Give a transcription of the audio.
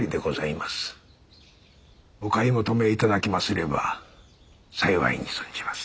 お買い求めいただきますれば幸いに存じます。